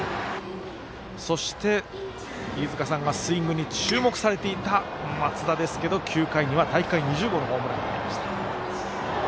そして、飯塚さんがスイングに注目されていた松田９回には大会２０号のホームランが出ました。